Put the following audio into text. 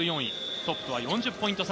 トップとは４０ポイント差。